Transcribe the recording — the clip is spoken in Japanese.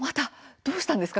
どうしたんですか？